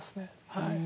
はい。